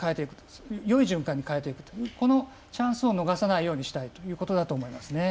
よい循環に変えていくというこのチャンスを逃さないようにしたいということだと思いますね。